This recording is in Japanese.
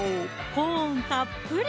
コーンたっぷり！